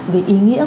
về ý nghĩa